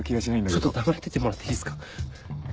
ちょっと黙っててもらっていいっすか。